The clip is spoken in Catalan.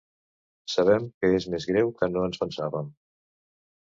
Sabem que és més greu que no ens pensàvem.